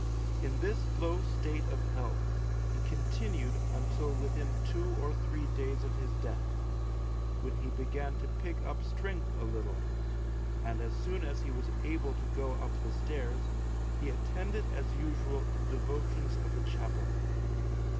In this low slate of health he continued until within two or three days of his death, when he began to pick up strength a little; and as soon as he was able to go up the stairs, he attended as usual the devotions of the chapel.